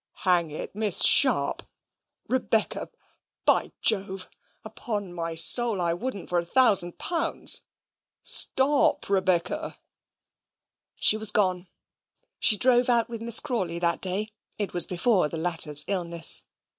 "Hang it, Miss Sharp Rebecca by Jove upon my soul, I wouldn't for a thousand pounds. Stop, Rebecca!" She was gone. She drove out with Miss Crawley that day. It was before the latter's illness.